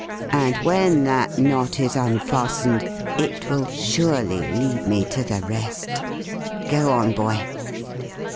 And when that knot is unfastened, it will surely lead me to the rest.... Go on, boy."